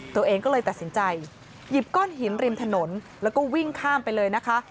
ตัวเองก็เลยตัดสินใจหยิบก้อนหินริมถนนแล้วก็วิ่งข้ามไปเลยนะคะ